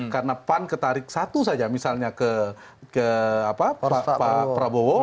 karena pan ketarik satu saja misalnya ke pak prabowo